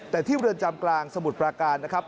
แต่ที่เรือนจำกลางสมุทรปราการนะครับ